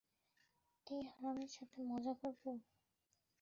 এই হারামির সাথে মজা করব?